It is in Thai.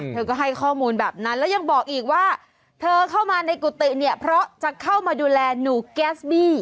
เธอก็ให้ข้อมูลแบบนั้นแล้วยังบอกอีกว่าเธอเข้ามาในกุฏิเนี่ยเพราะจะเข้ามาดูแลหนูแก๊สบี้